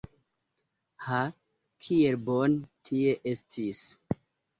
Ha, kiel bone tie estis!